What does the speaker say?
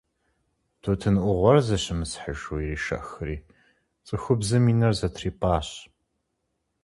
Тутын ӏугъуэр зыщымысхьыжу иришэхри, цӏыхубзым и нэр зэтрипӏащ.